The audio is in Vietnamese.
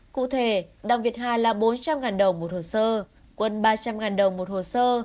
cụ thể đặng việt hà là bốn trăm linh đồng một hồ sơ quân ba trăm linh đồng một hồ sơ